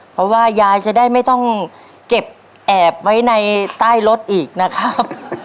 เพราะว่ายายจะได้ไม่ต้องเก็บแอบไว้ในใต้รถอีกนะครับ